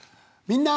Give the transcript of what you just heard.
「みんな！